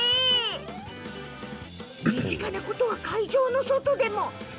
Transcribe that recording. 身近なのは会場の外でも。